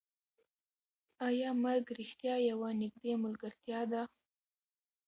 ایا مرګ رښتیا یوه نږدې ملګرتیا ده؟